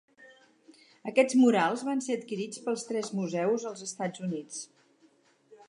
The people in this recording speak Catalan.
Aquests murals van ser adquirits per tres museus als Estats Units.